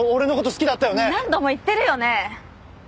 何度も言ってるよね？